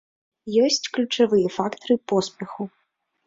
Ёсць ключавыя фактары поспеху.